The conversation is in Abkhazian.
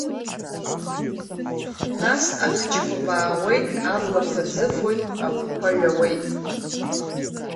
Нас, ахчқәа баауеит, аблақәа ӡыфоит, агәқәа ҩауеит.